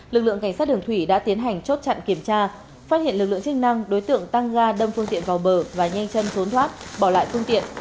lực lượng cảnh sát đường thủy đã tiến hành chốt chặn kiểm tra phát hiện lực lượng chức năng đối tượng tăng ga đâm phương tiện vào bờ và nhanh chân trốn thoát bỏ lại phương tiện